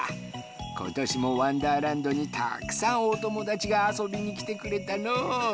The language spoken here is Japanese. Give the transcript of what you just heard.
ことしもわんだーらんどにたくさんおともだちがあそびにきてくれたのう。